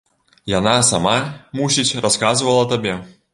Яна сама, мусіць, расказвала табе.